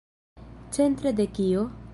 Centre de kio?